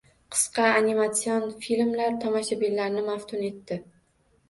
Qisqa animatsion filmlar tomoshabinlarni maftun etdi